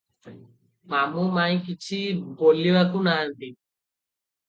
ମାମୁ ମାଇଁ କିଛି ବୋଲିବାକୁ ନାହାନ୍ତି ।